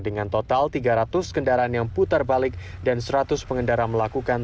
dengan total tiga ratus kendaraan yang putar balik dan seratus pengendara melakukan